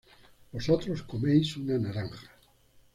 vosotros coméis una naranja